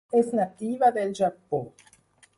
És nativa del Japó.